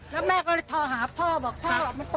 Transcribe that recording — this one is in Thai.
แล้วแม่ก็เลยทอหาพ่อบอกพ่อมาตบแม่